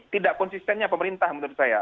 tidak konsistennya pemerintah menurut saya